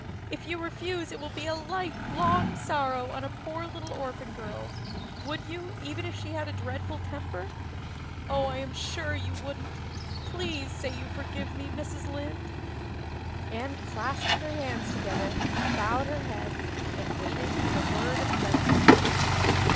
If you refuse it will be a lifelong sorrow on a poor little orphan girl, would you, even if she had a dreadful temper? Oh, I am sure you wouldn't. Please say you forgive me, Mrs. Lynde." Anne clasped her hands together, bowed her head, and waited for the word of judgment.